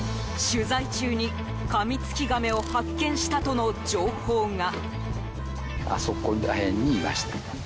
取材中にカミツキガメを発見したとの情報が。